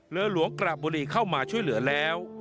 เรือหลวงกระบุรีเข้ามาช่วยเหลือแล้ว